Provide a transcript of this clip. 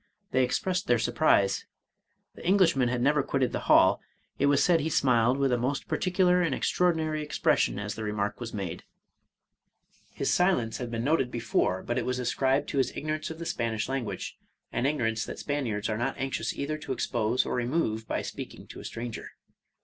They 174 Charles Robert Maturin expressed their surprise. The Englishman had never quitted the hall; it was said he smiled with a most par ticular and extraordinary expression as the remark was made. His silence had been noticed before, but it was ascribed to his ignorance of the Spanish language, an igno rance that Spaniards are not anxious either to expose or remove by speaking to a stranger.